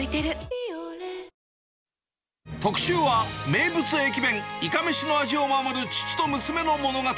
「ビオレ」特集は、名物駅弁、いかめしの味を守る父と娘の物語。